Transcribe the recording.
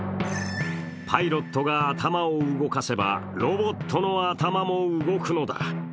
パイロットが頭を動かせばロボットの頭も動くのだ。